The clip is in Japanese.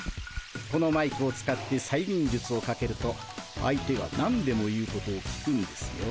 このマイクを使ってさいみんじゅつをかけると相手が何でも言うことを聞くんですよ。